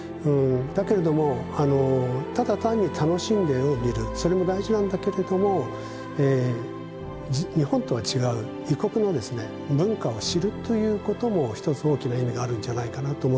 だけれどもただ単に楽しんで絵を見るそれも大事なんだけれどもということも一つ大きな意味があるんじゃないかなと思うんですよね。